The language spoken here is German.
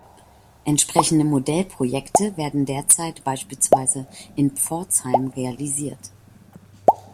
Entsprechende Modellprojekte werden derzeit beispielsweise in Pforzheim realisiert.